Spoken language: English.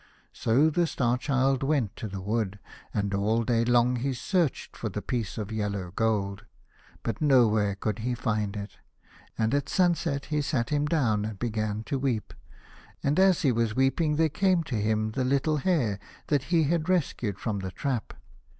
So the Star Child went to the wood, and all day long he searched for the piece of yellow gold, but nowhere could he find it. And at sunset he sat him down and began to weep, and as he was weeping there came to him the little Hare that he had rescued from the trap.